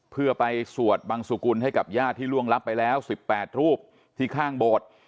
เพื่อไปสวดบังสุกุลให้กับญาติที่ล่วงรับไปแล้ว๑๘รูปที่ข้างโบสถ์